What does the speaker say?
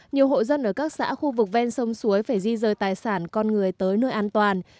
nhiều hộ dân ở các xã khu vực ven sông suối phải di rời tài sản con người tới nơi an toàn